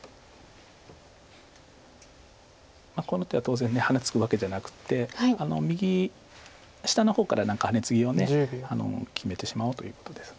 この手は当然ハネツグわけじゃなくて右下の方からハネツギを決めてしまおうということです。